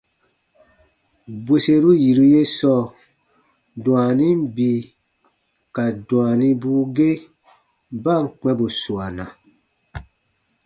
Bwerseru yiru ye sɔɔ, dwaanin bii ka dwaanibuu ge ba ǹ kpɛ̃ bù suana,